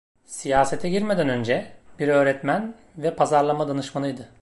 Siyasete girmeden önce, bir öğretmen ve pazarlama danışmanıydı.